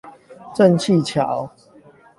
正氣橋